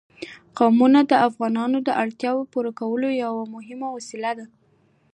قومونه د افغانانو د اړتیاوو د پوره کولو یوه مهمه وسیله ده.